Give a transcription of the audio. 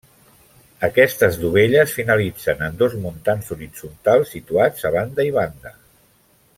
Aquestes dovelles finalitzen en dos muntants horitzontals situats a banda i banda.